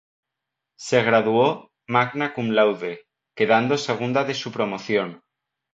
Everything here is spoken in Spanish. Se graduó "magna cum laude", quedando segunda de su promoción.